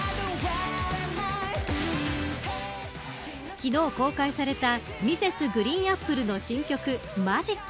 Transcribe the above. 昨日公開されたＭｒｓ．ＧＲＥＥＮＡＰＰＬＥの新曲Ｍａｇｉｃ。